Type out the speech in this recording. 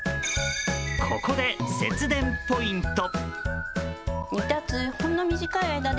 ここで節電ポイント。